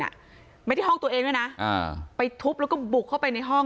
ไม่ได้ห้องตัวเองด้วยนะอ่าไปทุบแล้วก็บุกเข้าไปในห้อง